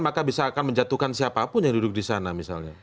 maka bisa akan menjatuhkan siapapun yang duduk di sana misalnya